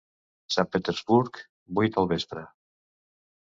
Sant Petersburg, vuit del vespre.